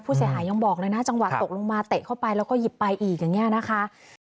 ยังบอกเลยนะจังหวะตกลงมาเตะเข้าไปแล้วก็หยิบไปอีกอย่างนี้นะคะ